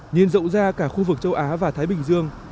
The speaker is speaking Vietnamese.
nhìn rộng ra cả khu vực châu á và thái bình dương